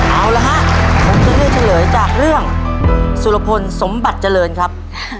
เอาล่ะครับผมจะเรียกเฉลยจากเรื่องสุรพนธ์สมบัติเจริญครับ